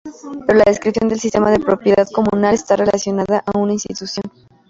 Pero la descripción del sistema de propiedad comunal está relacionado a una institución.